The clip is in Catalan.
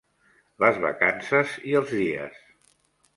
Les vacances i els dies